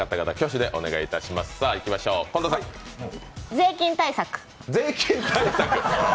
税金対策。